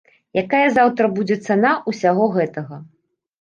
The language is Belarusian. Якая заўтра будзе цана ўсяго гэтага?